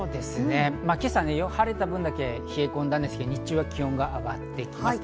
今朝、晴れた分だけ冷え込んだんですけど日中は気温が上がっていきます。